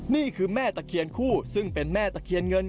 นี่คือแม่ตะเคียนคู่ซึ่งเป็นแม่ตะเคียนเงิน